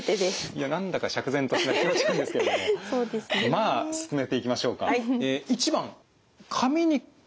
いや何だか釈然としない気持ちなんですけれどもまあ進めていきましょうか。